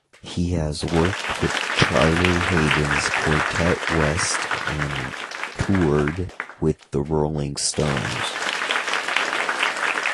He has worked with Charlie Haden's Quartet West and toured with the Rolling Stones.